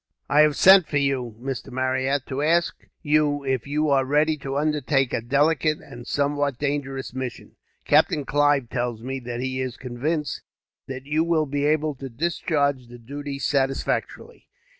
"I have sent for you, Mr. Marryat, to ask you if you are ready to undertake a delicate, and somewhat dangerous, mission. Captain Clive tells me that he is convinced that you will be able to discharge the duties satisfactorily.